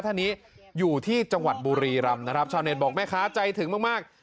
ท่านนี้อยู่ที่จังหวัดบุรีรำนะครับชาวเน็ตบอกแม่ค้าใจถึงมากมาก